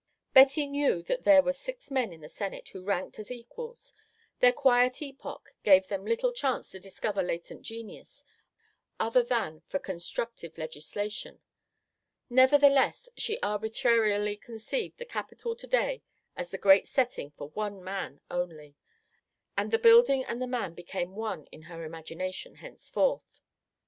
Betty knew that there were six men in the Senate who ranked as equals; their quiet epoch gave them little chance to discover latent genius other than for constructive legislation; nevertheless she arbitrarily conceived the Capitol to day as the great setting for one man only; and the building and the man became one in her imagination henceforth.